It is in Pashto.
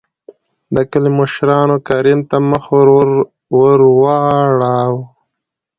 دکلي مشرانو کريم ته مخ ور ور واړو .